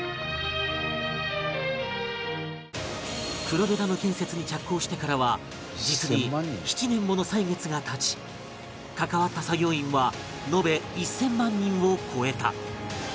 黒部ダム建設に着工してからは実に７年もの歳月が経ち関わった作業員は延べ１０００万人を超えた